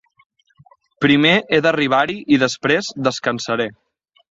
Primer he d'arribar-hi i després descansaré.